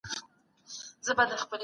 ته ولې مطالعې ته په جبر ګورې؟